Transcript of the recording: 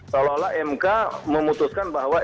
seolah olah mk memutuskan bahwa